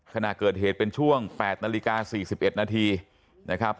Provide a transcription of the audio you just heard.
ขณะเกิดเหตุเป็นช่วง๘นาฬิกา๔๑นาทีนะครับ